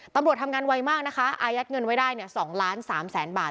ตำรวจทำงานไวมากนะคะอายัดเงินไว้ได้๒ล้าน๓แสนบาท